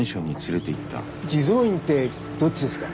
地蔵院ってどっちですか？